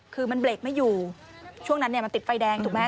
คือมันเบรกไม่อยู่ช่วงนั้นเนี่ยมันติดไฟแดงถูกไหม